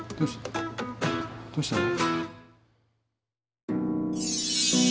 どうしたの？